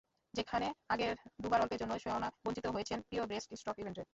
যেখানে আগের দুবার অল্পের জন্য সোনাবঞ্চিত হয়েছেন প্রিয় ব্রেস্ট স্ট্রোক ইভেন্টে।